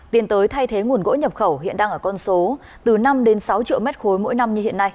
tiến tới thay thế nguồn gỗ nhập khẩu hiện đang ở con số năm sáu triệu m ba